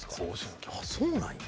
ああそうなんや。